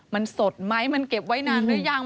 มันสดไหมมันเก็บไว้นานหรือยัง